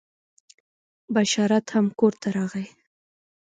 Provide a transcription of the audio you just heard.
بشارت هم کور ته راغی.